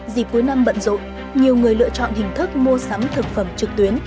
dịp cuối năm bận rộn nhiều người lựa chọn hình thức mua sắm thực phẩm trực tuyến